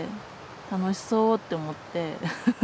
楽しそうって思って。